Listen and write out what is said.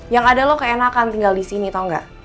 yang ada lo keenakan tinggal disini tau gak